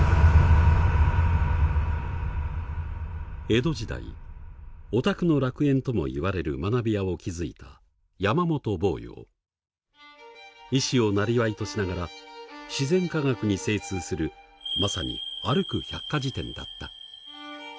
江戸時代オタクの楽園ともいわれる学びやを築いた医師をなりわいとしながら自然科学に精通するまさに先生大変です！